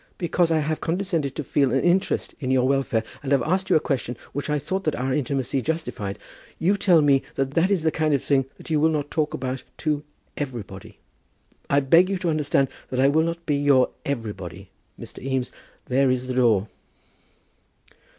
Because I have condescended to feel an interest in your welfare, and have asked you a question which I thought that our intimacy justified, you tell me that that is a kind of thing that you will not talk about to everybody. I beg you to understand that I will not be your everybody. Mr. Eames, there is the door."